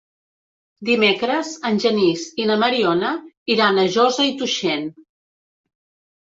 Dimecres en Genís i na Mariona iran a Josa i Tuixén.